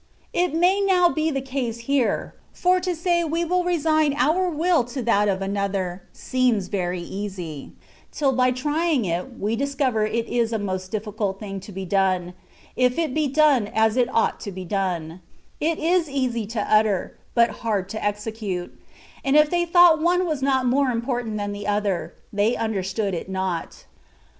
^^ It may now be the case here ; for, to say we will resign our will to that of another, seems very easy, till by trying it we dis cover it is a most difficiJt thing to be done, if it be done as it ought to be ; it is easy to utter, but hard to execute ; and if they thought one was not more important than another, they understood it not.